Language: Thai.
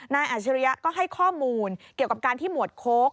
อาจริยะก็ให้ข้อมูลเกี่ยวกับการที่หมวดโค้ก